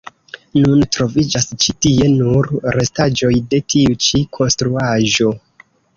Nun troviĝas ĉi tie nur restaĵoj de tiu ĉi konstruaĵo.